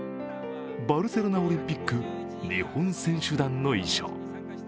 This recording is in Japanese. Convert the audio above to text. バルセロナオリンピック日本選手団の衣装。